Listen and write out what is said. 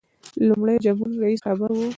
لومړی د جمهور رئیس خبر و.